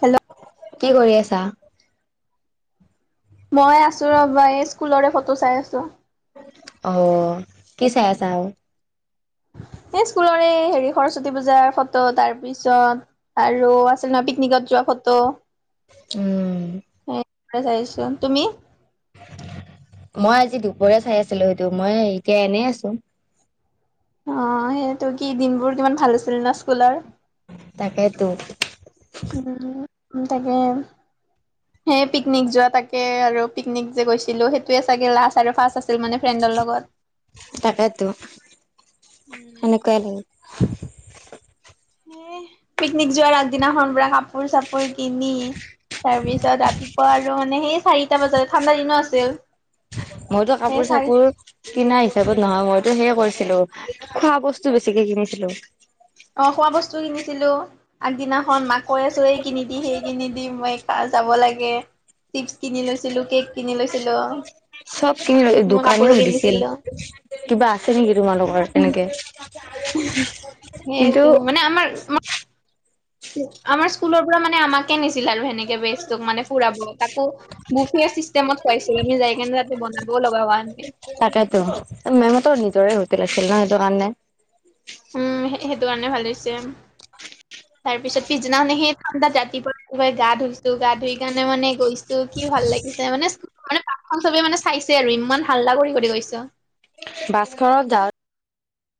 Hello কি কৰি আছা? মই আছো ৰবা এই স্কুলৰে ফটো চাই আছো অ কি চাই আছা আৰু [unintelligible] এই স্কুলৰে হেৰি সৰস্বতী পূজাৰ ফটো তাৰ পিছত আৰু আছিল নহয় পিকনিকত যোৱা সত উম। স চাইছোন তুমি মই আজি দুপৰীয়া চাই আছিলো সটো মই এতিয়া এনেই আছো অ সেইটো কি দিনবোৰ কিমান ভাল আছিল না স্কুলৰ তাকেইেতো উম তাকে হেই পিকনিক যোৱা তাকে আৰু পিকনিক যে গৈছিলো সেইটোয়ে চাগে লাষ্ট আৰু ফাৰ্ষ আ তাকেতো সেনেকুৱাই লাগে এ পিকনিক যোৱাৰ আগদিনাখন বুৰা কাপ কাপোৰ চাপোৰ কিনি তাৰপিছত ৰাতিপুৱা আৰু মানে সেই। চাৰিটা বজতে ঠাণ্ডা দিনো আছিল। মইতো সেই কাপোৰ চাৰি চাপোৰ কিনা হিচাপত নহয় মইতো সেইয় কৰিছিলো খোৱা বস্তু বেছিকে কিনিছিলো। অ খোৱা বস্তু কিনিছিলো আগদিনাখন মাকৈ চোৰে কিনি দি সেই কিনি দিম মই যাব লাগে চিপচ কিনি লৈছিলো কেক কিনি লৈছিলো চব কিনি মই কাপোৰো দোকানীও সুধিছিল কিনিছিলো কিবা আছে নেকি তোমালোকৰ এনেকে সেইটো মানে আমাৰ আমাৰ স্কুলৰ পৰা মানে আমাকে নি। [unintelligible] বল ভগৱান তাকেতো মেহঁতৰ নিজৰে সু্ত লাগছিল ন সেইটো কাৰণে উম সেইটো কাৰণে ভাল হৈছে তাৰ পিছত পিছদিনাখানে সেই ঠ তাত ৰাতিপুৱা একবাৰে গা ধুইছো গা ধুই কাৰণে মানে গৈছো তো কি ভাল লাগিছে মানে। মানে পাৰ্কখন চবে মানে চাইছে আৰু ইমান হাল্লা কৰি - কৰি গৈছোঁ। বাছখনত যাওঁ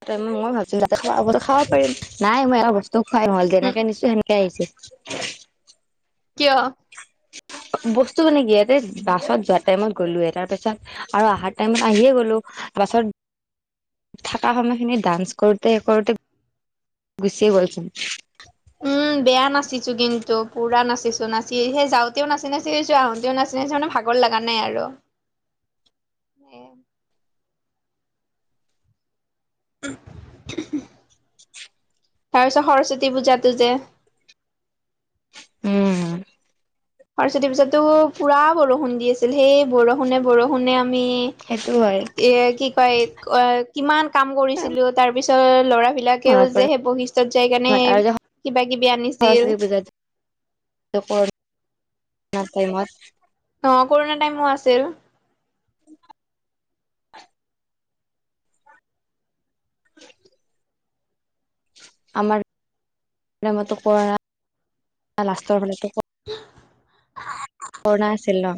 তে মই ভাবিছোঁ [unintelligible] তে খাব পাৰিম। নাই মই এটা তো খুৱাই নহল। উম যেনেকে নিছোঁ সেনেকে আহিছে। কিয়? বস্তু মানে কি, ইয়াতে বাছত যোৱা টাইমত গ'লোঁৱে। তাৰ পিছত, আৰু অহাৰ টাইমত আহিয়ে গ'লোঁ। বাছত [inaudible] থাকা সময়খিনি ডান্স কৰোঁতে - কৰোঁতে গুচিয়ে গ'লচোন। উম, বেয়া নাছি ছোঁ কিন্তু। পুৰা নাচিছোঁ। নাচি সেই যাওঁতেও নাচি-নাচি আহিছোঁ, আহোঁতেও নাচি-নাচি মানে ভাগৰ লাগা নাই আৰু। অ'। এ [unintelligible] তাৰ পিছত সৰস্বতী পূজাটো যে উম। সৰস্বতীৰ পিছতো পুৰা বৰষুণ দি আছিল। সেই বৰষুণে-বৰষুণে আ আমি সেইটো হয় এ কি কয়, অ'- কিমান কাম কৰিছিলোঁ, তাৰ পিছত এ- ল'ৰাই বিলাকেও মনত পৰে যে সেই বশিষ্টত যাইকেনে আৰু যে কিবা-কিবি আনিছিল। [inaudible] না টাইমত অ' কৰোণা টাইমো আছিল। [inaudible] আমাৰ [inaudible] [unintelligible] কৰা [inaudible] লাষ্টৰ ফালেটো হ আছিল ন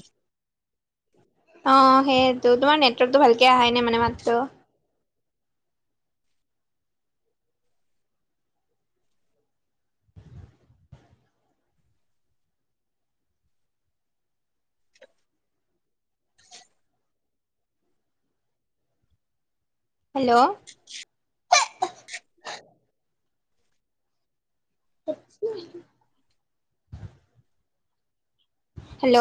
অ' সেয়েতো। তোমাৰ নেটৱৰ্কটো ভালকে আহাই নাই, মানে মাতটো। হেল্ল'? [unintelligible] হেল্ল'?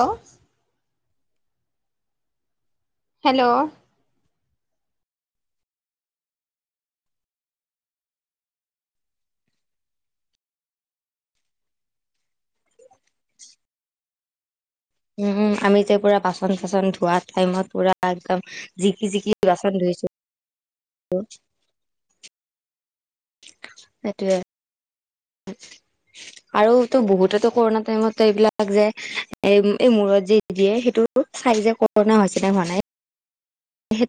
হেল্ল'? উম, আমি যে পুৰা বাচন-চাচন ধোৱা টাইমত পুৰা একদম জিকি-জিকি বাচন ধু [inaudible] সেটোৱে। আৰু তো বহুতেতো কৰোণা টাইমত এইবিলাক যে, এই- এই মূৰত যে দিয়ে সেইটো টো চাই যে কৰোণা হৈছে নে হোৱা নাই